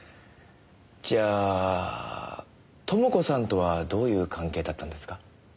じゃあ朋子さんとはどういう関係だったんですか？